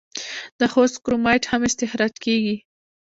د خوست کرومایټ هم استخراج کیږي.